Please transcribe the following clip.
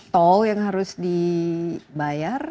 tol yang harus dibayar